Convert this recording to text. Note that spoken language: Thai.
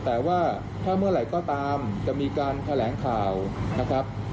แต่ว่าถ้าเมื่อไหร่ก็ตามจะมีการแถลงข่าวนะครับ